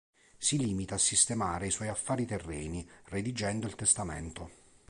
Si limita a sistemare i suoi affari terreni, redigendo il testamento.